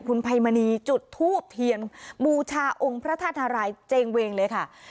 คุณไพมณีจุธูปเทียนมูชาองค์พระท่านทรายเจงเวงเลยค่ะ